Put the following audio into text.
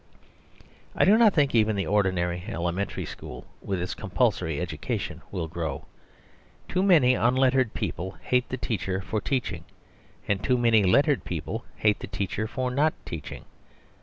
I do not think even the ordinary Elementary School, with its compulsory education, will grow. Too many unlettered people hate the teacher for teaching; and too many lettered people hate the teacher for not teaching.